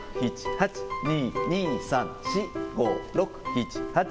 ８、２、２、３、４、５、６、７、８。